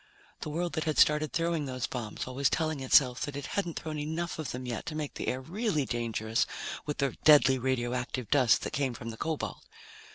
The world that had started throwing those bombs, always telling itself that it hadn't thrown enough of them yet to make the air really dangerous with the deadly radioactive dust that came from the cobalt.